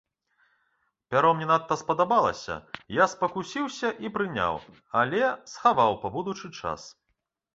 Пяро мне надта спадабалася, я спакусіўся і прыняў, але схаваў па будучы час.